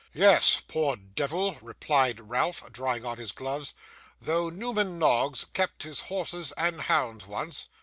'Yes, poor devil!' replied Ralph, drawing on his gloves. 'Though Newman Noggs kept his horses and hounds once.